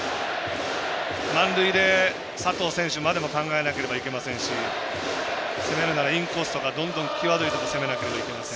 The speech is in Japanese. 満塁で、佐藤選手までも考えなければいけませんし攻めるならインコースとかどんどん際どいところ攻めないといけません。